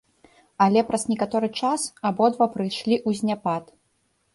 Але праз некаторы час абодва прыйшлі ў заняпад.